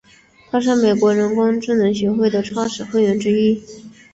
他是美国人工智能协会的创始会员之一。